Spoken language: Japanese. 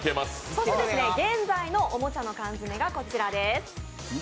そして現在のおもちゃのカンヅメがこちらです。